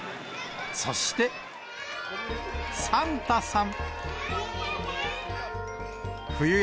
そして、サンタさん。